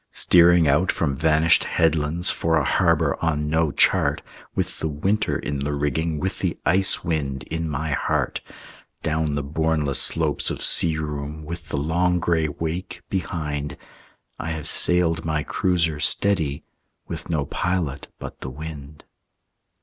Steering out from vanished headlands For a harbor on no chart, With the winter in the rigging, With the ice wind in my heart, Down the bournless slopes of sea room, With the long gray wake behind, I have sailed my cruiser steady With no pilot but the wind.